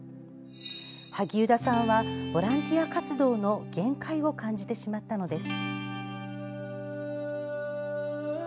萩生田さんはボランティア活動の限界を感じてしまったのです。